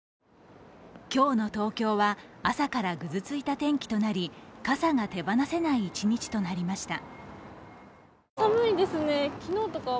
今日の東京は朝からぐずついた天気となり、傘が手放せない一日となりました。